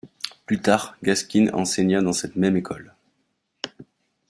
Plus tard, Gaskin enseigna dans cette même école.